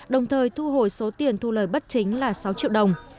đồng thời thu hồi số tiền thu lời bất chính là sáu triệu đồng